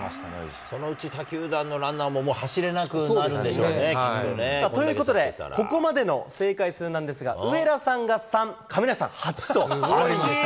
そのうち他球団のランナーもさあ、ということで、ここまでの正解数なんですが、上田さんが３、亀梨さん８となりました。